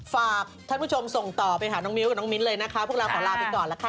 ฝากท่านผู้ชมส่งต่อไปหาน้องมิ้วกับน้องมิ้นเลยนะคะพวกเราขอลาไปก่อนละค่ะ